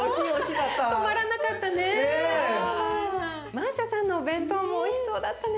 マーシャさんのお弁当もおいしそうだったね。